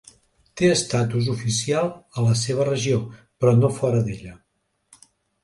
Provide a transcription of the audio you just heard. Té estatus oficial a la seva regió, però no fora d'ella.